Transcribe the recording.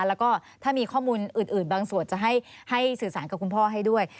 แล้วก็ถ้ามีข้อมูลอื่นบางส่วนจะให้สื่อสารกับคุณพ่อให้ด้วย